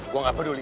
gue gak peduli